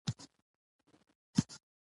څوک یې د چوپان لور وه؟